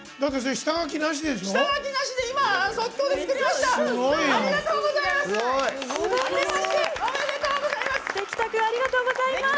下書きなしで即興で作りました。